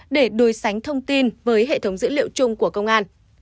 để đối sánh thông tin với hệ thống dữ liệu chung của công an